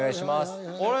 あれ？